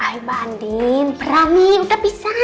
ayo bandin perami udah bisa